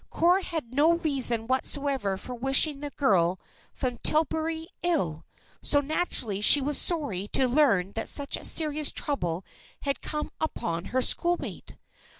Cora had no reason whatsoever for wishing the girl from Tillbury ill. So, naturally, she was sorry to learn that such serious trouble had come upon her schoolmate.